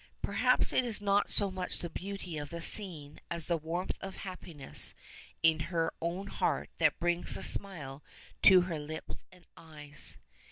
Perhaps it is not so much the beauty of the scene as the warmth of happiness in her own heart that brings the smile to her lips and eyes.